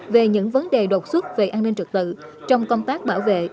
về những vấn đề đột xuất về an ninh trật tự trong công tác bảo vệ